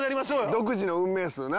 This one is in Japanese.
独自の運命数な。